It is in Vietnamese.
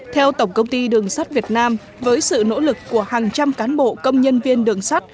theo tổng công ty đường sắt việt nam với sự nỗ lực của hàng trăm cán bộ công nhân viên đường sắt